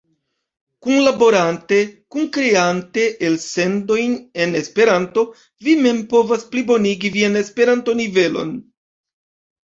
Kunlaborante, kunkreante elsendojn en Esperanto, vi mem povas plibonigi vian Esperanto-nivelon.